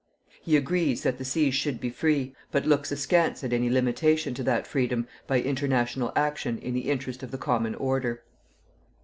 He agrees that the seas should be free, but looks askance at any limitation to that freedom by international action in the interest of the common order.